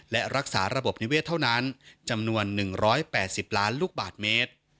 และรักษาระบบนิเวศเท่านั้นจำนวนหนึ่งร้อยแปดสิบล้านลูกบาทเมตร